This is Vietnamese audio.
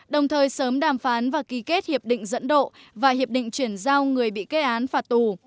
đồng thời sớm đàm phán và ký kết hiệp định dẫn độ và hiệp định chuyển giao người bị kết án phạt tù